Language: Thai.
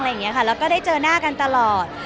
แล้วก็ได้เจอหน้ากันตลอด